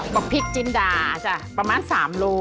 ปลาพริกจินดาจ๊ะประมาณ๓โลกรัม